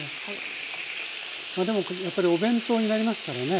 でもやっぱりお弁当になりますからね。